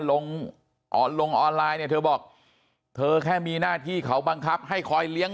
ลงออนไลน์เนี่ยเธอบอกเธอแค่มีหน้าที่เขาบังคับให้คอยเลี้ยง